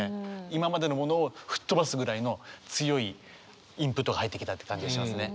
今までのものを吹っ飛ばすぐらいの強いインプットが入ってきたって感じがしますね。